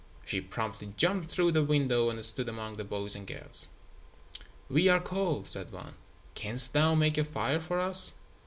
She promptly jumped through the window and stood among the boys and girls. "We are cold," said one. "Canst thou make a fire for us?"